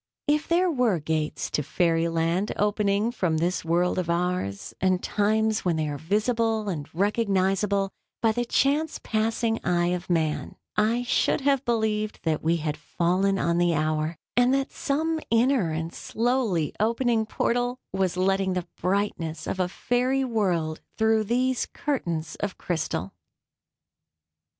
If there were gates to fairy land opening from this world of ours, and times when they are visible and recognizable by the chance passing eye of man, I should have believed that we had fallen on the hour, and that some inner and slowly opening portal was letting the brightness of a fairy world through these curtains of crystal.